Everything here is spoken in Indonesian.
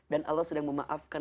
dan allah sedang memaafkan